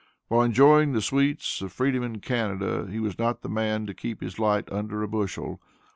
While enjoying the sweets of freedom in Canada, he was not the man to keep his light under a bushel.